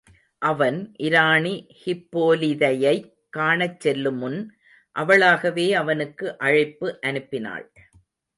அவன் இராணி ஹிப்போலிதையைக் காணச் செல்லுமுன், அவளாகவே அவனுக்கு அழைப்பு அனுப்பினாள்.